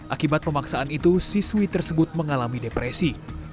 akibat pemaksaan itu siswi tersebut mengalami depresi